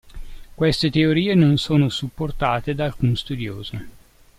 Queste teorie non sono supportate da alcun studioso.